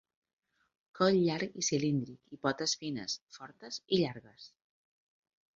Coll llarg i cilíndric i potes fines, fortes i llargues.